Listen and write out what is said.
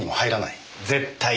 絶対に。